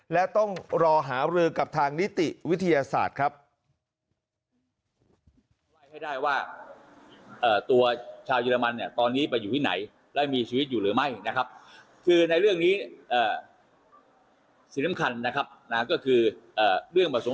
และต้องรอหารือกับทางนิติวิทยาศาสตร์ครับ